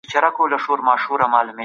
زموږ هره کړنه زموږ د افکارو زېږنده ده.